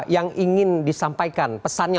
yang ingin disampaikan pesannya